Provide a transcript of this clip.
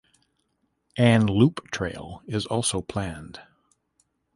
An loop trail is also planned.